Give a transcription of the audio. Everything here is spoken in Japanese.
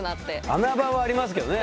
穴場はありますけどね。